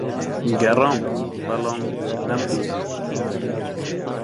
گەڕام، بەڵام نەمدۆزییەوە.